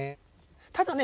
ただね